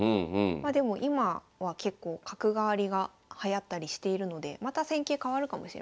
まあでも今は結構角換わりがはやったりしているのでまた戦型変わるかもしれませんね。